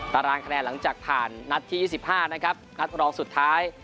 ตารางคะแนนหลังจากผ่านนัดที่๒๕นะครับนัดรองสุดท้าย